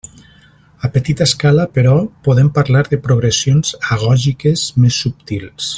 A petita escala, però, podem parlar de progressions agògiques més subtils.